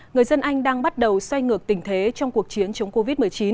người dân anh đang bắt đầu xoay ngược tình thế trong cuộc chiến chống covid một mươi chín